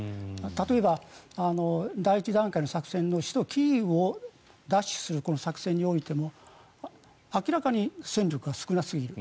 例えば、第１段階の作戦の首都キーウを奪取する作戦においても明らかに戦力が少なすぎる。